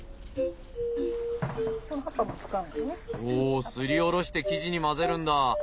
おおすりおろして生地に混ぜるんだ。